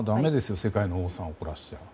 世界の王さんを怒らせちゃ。